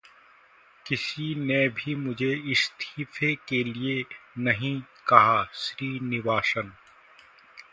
किसी ने भी मुझे इस्तीफे के लिये नहीं कहा: श्रीनिवासन